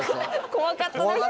怖かったですね